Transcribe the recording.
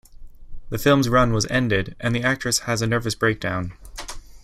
The film's run was ended and the actress has a nervous breakdown.